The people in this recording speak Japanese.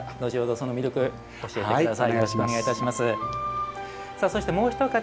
その魅力を教えてください。